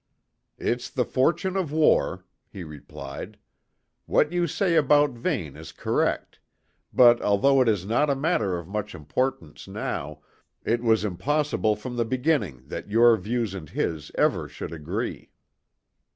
"It's the fortune of war," he replied. "What you say about Vane is correct; but although it is not a matter of much importance now, it was impossible from the beginning that your views and his ever should agree."